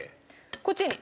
こっちに。